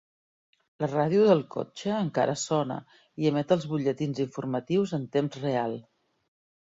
La ràdio del cotxe encara sona i emet els butlletins informatius en temps real.